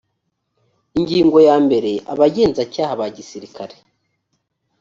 ingingo yambere abagenzacyaha ba gisirikare